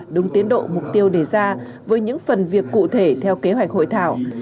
đúng tiến độ mục tiêu đề ra với những phần việc cụ thể theo kế hoạch hội thảo